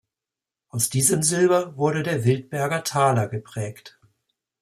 Aus diesem Silber wurde der „Wildberger Taler“ geprägt.